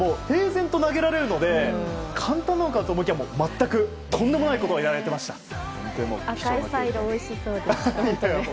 平然と投げられるので簡単なのかと思いきや全く、とんでもないことをやられてました。